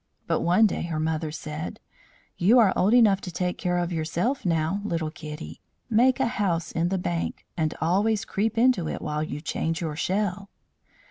But one day her mother said: "You are old enough to take care of yourself now, little Kitty. Make a house in the bank, and always creep into it while you change your shell."